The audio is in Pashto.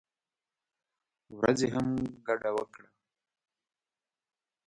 ورځې هم ګډه وکړه.